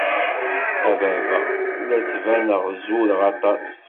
A baba! La d-ttbaneɣ zureɣ aṭas.